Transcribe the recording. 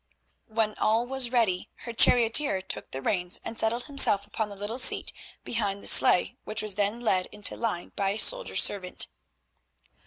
When all was ready her charioteer took the reins and settled himself upon the little seat behind the sleigh, which was then led into line by a soldier servant.